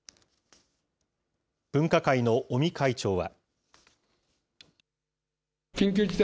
分科会の尾身会長は。